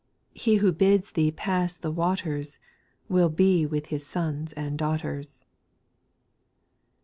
He who bids thee pass the waters, Will be with His sons and daughters.